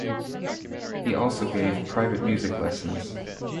He also gave private music lessons.